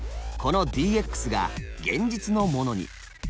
このＤＸが現実のものに。